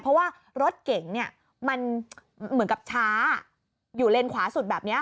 เพราะว่ารถเก่งเหมือนกับช้าอยู่เลนส์ขวาสุดแบบนี้ค่ะ